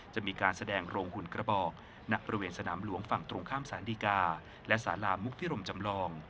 จะมีการแสดงโรงหุ่นกระบอกณบริเวณสนามหลวงฝั่งตรงข้ามสารดีกาและสารามุกพิรมจำลอง